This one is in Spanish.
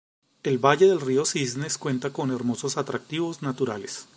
El valle del Río Cisnes cuenta con hermosos atractivos naturales.